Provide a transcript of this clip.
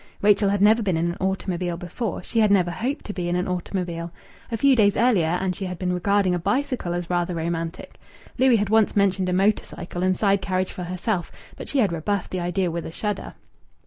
Rachel had never been in an automobile before; she had never hoped to be in an automobile. A few days earlier, and she had been regarding a bicycle as rather romantic! Louis had once mentioned a motor cycle and side carriage for herself, but she had rebuffed the idea with a shudder.